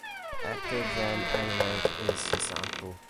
Actor Jan Englert is his uncle.